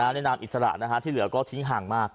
นามอิสระที่เหลือก็ทิ้งห่างมาก